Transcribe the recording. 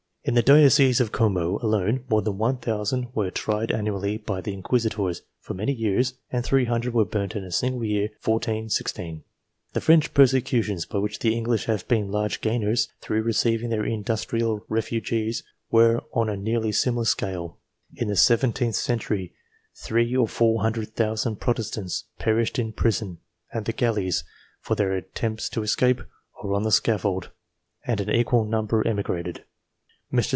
In the diocese of Como, alone, more than 1,000 were tried annually by the inquisitors for many years, and 300 were burnt in the single year 1416. 346 INFLUENCES THAT AFFECT THE The French persecutions, by which the English have been large gainers, through receiving their industrial refugees, were on a nearly similar scale. In the seventeenth century three or four hundred thousand Protestants perished in prison, at the galleys, in their attempts to escape, or on the scaffold, and an equal number emigrated. Mr.